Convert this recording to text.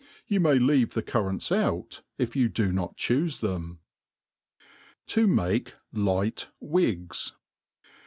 Yea may leave the currants out, if you do not chufe them. To mate light Wigs.